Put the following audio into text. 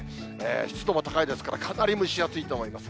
湿度も高いですから、かなり蒸し暑いと思います。